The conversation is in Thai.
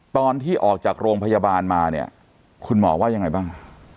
ตอนที่ออกจากโรงพยาบาลมาเนี่ยคุณหมอว่ายังไงบ้าง